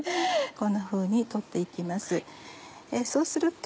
こんなふうに取って行きます。